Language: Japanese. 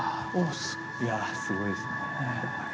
いやぁすごいですね。